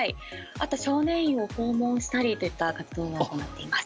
あと少年院を訪問したりといった活動を行っています。